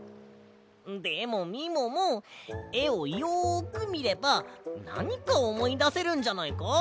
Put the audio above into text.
でもみももえをよくみればなにかおもいだせるんじゃないか？